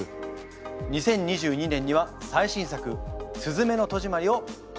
２０２２年には最新作「すずめの戸締まり」を公開。